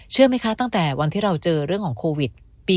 เชื่อไหมคะตั้งแต่วันที่เราเจอเรื่องของโควิด